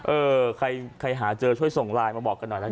เออใครหาเจอช่วยส่งไลน์มาบอกกันหน่อยแล้ว